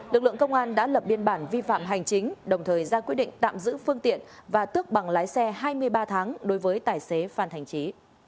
lực lượng công an đã lập biên bản vi phạm hành chính đồng thời ra quyết định tạm giữ phương tiện và tước bằng lái xe hai mươi ba tháng đối với tài xế phan thành trí